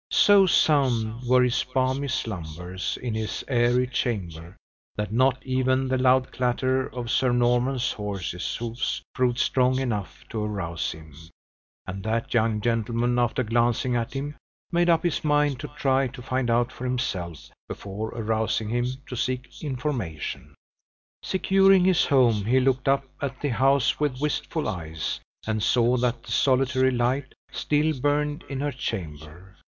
So sound were his balmy slumbers in his airy chamber, that not even the loud clatter of Sir Norman's horse's hoofs proved strong enough to arouse him; and that young gentleman, after glancing at him, made up his mind to try to find out for himself before arousing him to seek information. Securing his horse, he looked up at the house with wistful eyes, and saw that the solitary light still burned in her chamber.